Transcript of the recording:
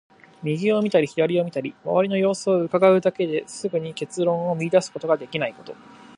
右を見たり左を見たりして、周りの様子を窺うだけですぐに結論を出すことができないこと。